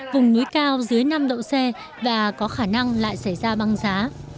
vùng núi cao dưới năm độ c và có khả năng lại xảy ra băng giá